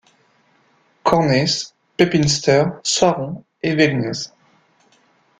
Cornesse, Pepinster, Soiron et Wegnez.